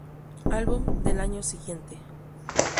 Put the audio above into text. Album" del año siguiente.